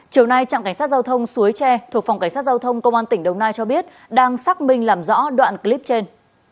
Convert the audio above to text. chiều nay trạm cảnh sát giao thông suối tre thuộc phòng cảnh sát giao thông công an tỉnh đồng nai cho biết đang xác minh làm rõ đoạn clip trên